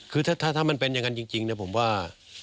คือถ้ามันเป็นอย่างนั้นจริงผมว่า